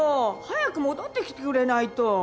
早く戻ってきてくれないと。